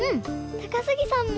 高杉さんも？